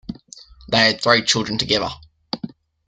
They had three children together.